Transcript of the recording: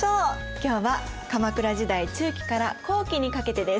今日は鎌倉時代中期から後期にかけてです。